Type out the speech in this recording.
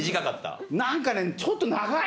何かねちょっと長い。